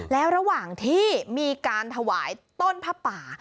แล้วระหว่างที่มีการถวายต้นผ้าป่า